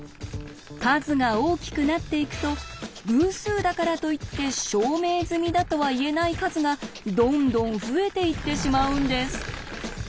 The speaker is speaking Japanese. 数が大きくなっていくと偶数だからといって証明済みだとは言えない数がどんどん増えていってしまうんです。